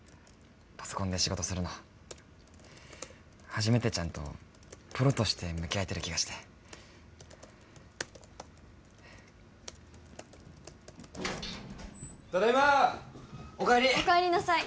パソコンで仕事するの初めてちゃんとプロとして向き合えてる気がしてただいまお帰りお帰りなさい